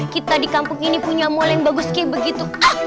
kita di kampung ini punya mal yang bagus kayak begitu